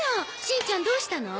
しんちゃんどうしたの？